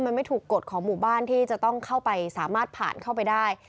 มันไม่ถูกกฎของหมู่บ้านที่จะต้องเข้าไปสามารถผ่านเข้าไปได้